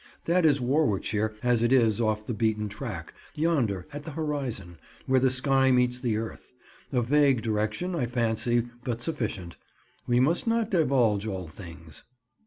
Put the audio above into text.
That is Warwickshire as it is off the beaten track, yonder, at the horizon, where the sky meets the earth: a vague direction, I fancy, but sufficient. We must not divulge all things.